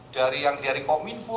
dari yang dari kominfo